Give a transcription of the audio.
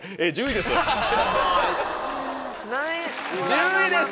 １０位です。